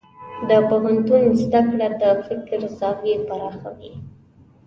د پوهنتون زده کړه د فکر زاویې پراخوي.